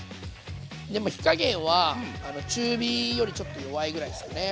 でも火加減は中火よりちょっと弱いぐらいですよね。